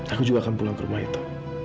aku juga akan pulang ke rumah itu